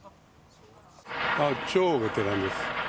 超ベテランです。